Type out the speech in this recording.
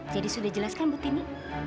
jadi sudah jelas kan bu tini